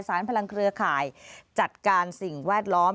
พลังเครือข่ายจัดการสิ่งแวดล้อม